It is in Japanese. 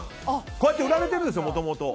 こうやって売られてるんですよ。